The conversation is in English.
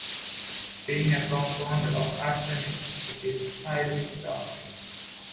Being a compound of arsenic, it is highly toxic.